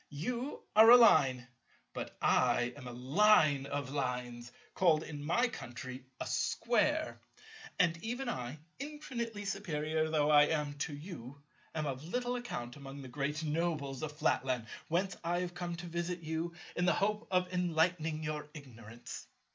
You are a Line, but I am a Line of Lines called in my country a Square: and even I, infinitely superior though I am to you, am of little account among the great nobles of Flatland, whence I have come to visit you, in the hope of enlightening your ignorance."